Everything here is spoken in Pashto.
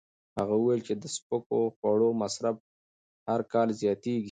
هغه وویل چې د سپکو خوړو مصرف هر کال زیاتېږي.